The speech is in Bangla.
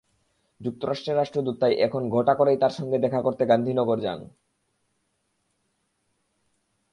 যুক্তরাষ্ট্রের রাষ্ট্রদূত তাই এখন ঘটা করেই তাঁর সঙ্গে দেখা করতে গান্ধীনগর যান।